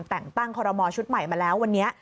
แต่งตั้งคอรมอลชุดใหม่มาแล้ววันนี้